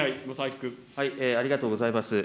ありがとうございます。